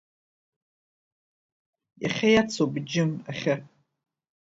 Иахьа иацуп, џьым, ахьы.